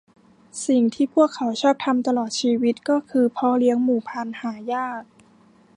สิ่งที่พวกเขาชอบทำตลอดชีวิตก็คือเพาะเลี้ยงหมูพันธุ์หายาก